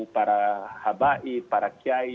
para habai para kiai